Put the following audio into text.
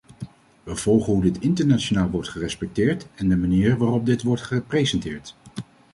We volgen hoe dit internationaal wordt gerespecteerd en de manier waarop dit wordt gepresenteerd.